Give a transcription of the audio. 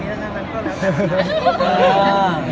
มีโครงการทุกทีใช่ไหม